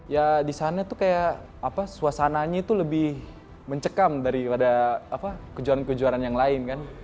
ya di sana tuh kayak apa suasananya tuh lebih mencekam daripada kejuaraan kejuaraan yang lain kan